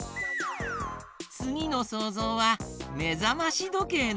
つぎのそうぞうは「めざましどけい」のえだよ！